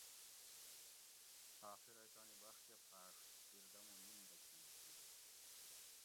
آخر ائ تانی بخت کہۤ پھاڛت بیردمو نیِن بچیل تھی